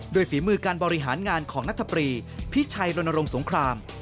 ฝีมือการบริหารงานของนัทปรีพิชัยรณรงค์สงคราม